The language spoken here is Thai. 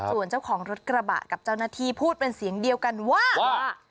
ส่วนเจ้าของรถกระบะกับเจ้าหน้าที่พูดเป็นเสียงเดียวกันว่า